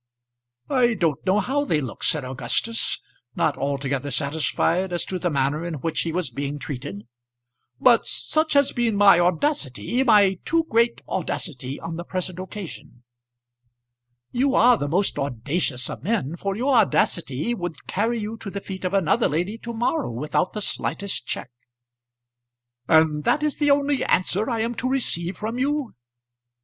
"I don't know how they look," said Augustus, not altogether satisfied as to the manner in which he was being treated "but such has been my audacity, my too great audacity on the present occasion." "You are the most audacious of men, for your audacity would carry you to the feet of another lady to morrow without the slightest check." "And that is the only answer I am to receive from you?"